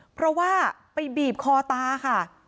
เพราะว่าไปบีบคอตาค่ะ